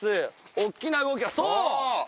大っきな動きそう！